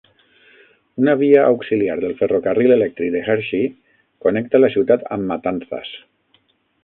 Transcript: Una via auxiliar del ferrocarril elèctric de Hershey connecta la ciutat amb Matanzas.